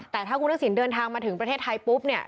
แต่ถ้าคุณทักษิณเดินทางมาถึงประเทศไทยปุ๊บเนี่ย